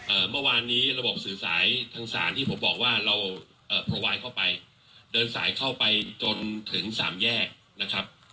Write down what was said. เมื่อวานนี้ระบบสื่อสายทางศาลที่ผมบอกว่าเราเอ่อทวายเข้าไปเดินสายเข้าไปจนถึงสามแยกนะครับ